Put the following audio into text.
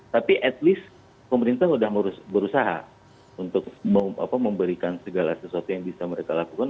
tapi at least pemerintah sudah berusaha untuk memberikan segala sesuatu yang bisa mereka lakukan